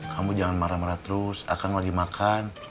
kamu jangan marah marah terus akang lagi makan